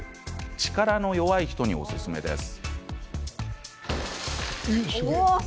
力の弱い人におすすめです。